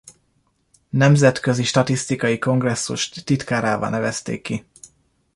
Nemzetközi Statisztikai Kongresszus titkárává nevezték ki.